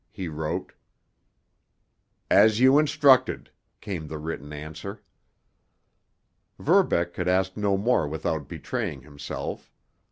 he wrote. "As you instructed," came the written answer. Verbeck could ask no more without betraying himself.